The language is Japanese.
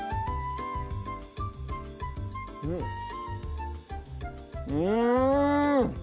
うんうん！